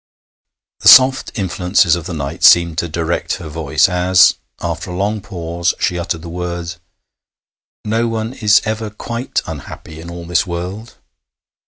The soft influences of the night seemed to direct her voice as, after a long pause, she uttered the words: 'No one is ever quite unhappy in all this world.'